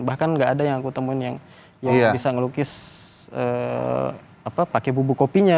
bahkan nggak ada yang aku temuin yang bisa ngelukis pakai bubuk kopinya